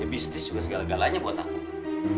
bisnis juga segala galanya buat aku